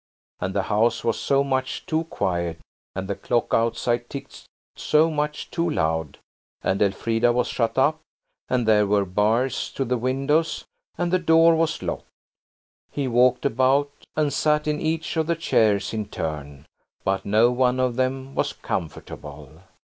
And the house was so much too quiet, and the clock outside ticked so much too loud–and Elfrida was shut up, and there were bars to the windows, and the door was locked. He walked about, and sat in each of the chairs in turn, but no one of them was comfortable.